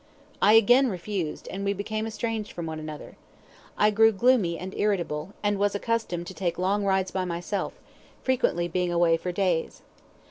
I again refused, and we became estranged from one another. I grew gloomy and irritable, and was accustomed to take long rides by myself, frequently being away for days.